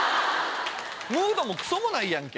ムードもクソもないやんけ。